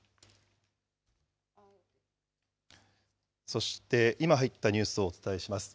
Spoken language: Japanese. そして、今入ったニュースをお伝えします。